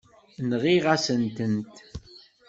Nɣiɣ-asent-tent.